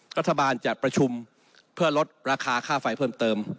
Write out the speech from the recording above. รัฐบาลจัดประชุมเพื่อลดราคาค่าไฟเพิ่มเติม